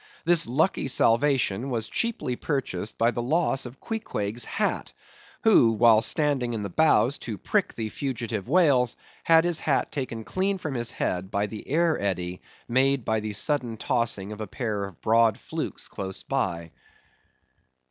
This lucky salvation was cheaply purchased by the loss of Queequeg's hat, who, while standing in the bows to prick the fugitive whales, had his hat taken clean from his head by the air eddy made by the sudden tossing of a pair of broad flukes close by.